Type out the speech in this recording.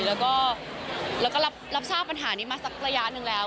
แล้วก็รับทราบปัญหานี้มาสักระยะหนึ่งแล้ว